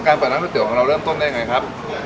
อศนตรีเครื่องกะเกาะเตี๋ยวเราเริ่มต้นได้ยังไงครับ